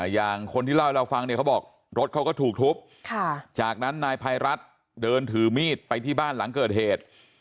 อย่างคนที่เล่าให้เราฟังเนี่ยเขาบอกรถเขาก็ถูกทุบจากนั้นนายภัยรัฐเดินถือมีดไปที่บ้านหลังเกิดเหตุ